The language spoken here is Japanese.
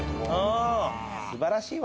素晴らしいわ！